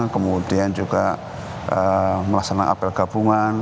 kemudian juga melaksanakan apel gabungan